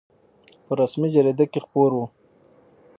په رسمي جریده کې خپور او